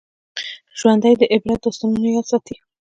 ژوندي د عبرت داستانونه یاد ساتي